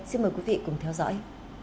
xin mời quý vị cùng theo dõi